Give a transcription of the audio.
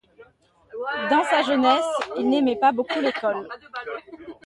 Dans sa jeunesse, il n’aimait pas beaucoup l’école.